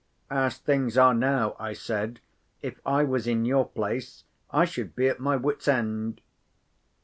"As things are now," I said, "if I was in your place, I should be at my wits' end."